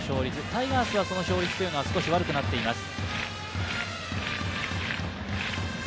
タイガースはその勝率というのは少し悪くなっています。